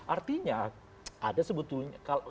artinya ada sebetulnya